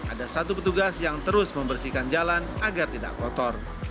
ada satu petugas yang terus membersihkan jalan agar tidak kotor